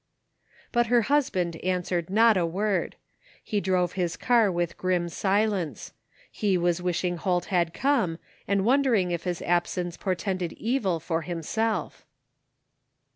" But her husband answered not a word. He drove his car with grim silence. He was wishing Holt had 16 241 THE FINDmG OF JASPER HOLT come, and wondering if his absence portended evil for himself.